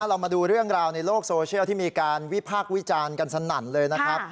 เรามาดูเรื่องราวในโลกโซเชียลที่มีการวิพากษ์วิจารณ์กันสนั่นเลยนะครับ